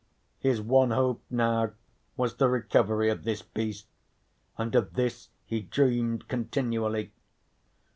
His one hope now was the recovery of this beast, and of this he dreamed continually.